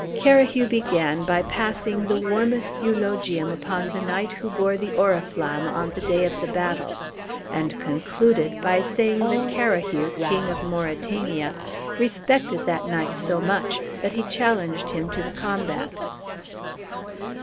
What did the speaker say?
Carahue began by passing the warmest eulogium upon the knight who bore the Oriflamme on the day of the battle, and concluded by saying that Carahue, King of Mauritania, respected that knight so much that he challenged him to the combat.